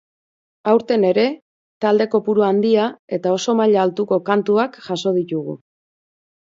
Aurten ere talde kopuru handia eta oso maila altuko kantuak jaso ditugu.